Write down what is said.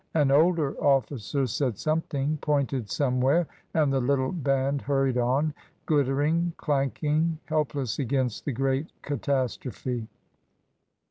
An older officer said something, pointed somewhere, and the little band hurried on, glittering, danking, helpless against the great catastrophe.